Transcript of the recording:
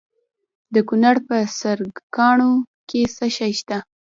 د کونړ په سرکاڼو کې څه شی شته؟